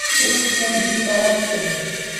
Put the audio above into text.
তাহলে, আমি নিজেই খুলে দিচ্ছি।